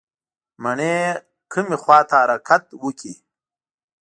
مڼې کومې خواته حرکت وکړي؟